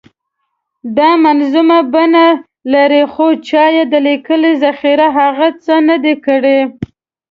دا منظومه بڼه لري خو چا یې د لیکلې ذخیرې هڅه نه ده کړې.